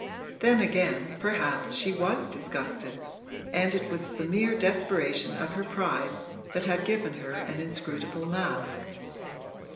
Then again perhaps she was disgusted and it was the mere desperation of her pride that had given her an inscrutable mask.